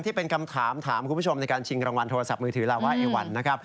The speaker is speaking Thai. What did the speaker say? ที่เป็นคำถามถามคุณผู้ชมในการชิงรางวัลโทรศัพท์มือถือลาวาเอวันนะครับ